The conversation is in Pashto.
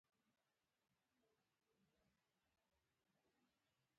ګوروان بیچاره په زګیروي کې ورو ورو کلیوالو ته وویل.